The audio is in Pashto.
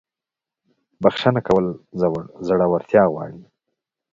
• بخښنه کول زړورتیا غواړي.